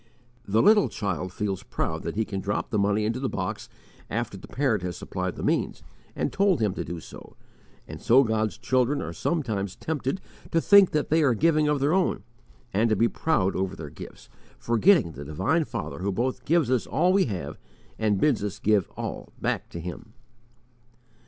"The little child feels proud that he can drop the money into the box after the parent has supplied the means, and told him to do so; and so God's children are sometimes tempted to think that they are giving of their own, and to be proud over their gifts, forgetting the divine Father who both gives us all we have and bids us give all back to Him."